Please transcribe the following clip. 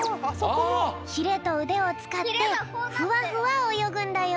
ひれとうでをつかってふわふわおよぐんだよ。